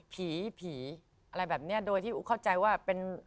ผีผีอะไรแบบเนี้ยโดยที่อู๋เข้าใจว่าเป็น